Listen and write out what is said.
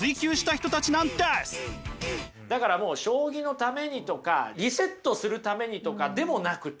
だからもう将棋のためにとかリセットするためにとかでもなくて。